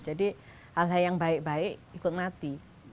jadi hal hal yang baik baik ikut mati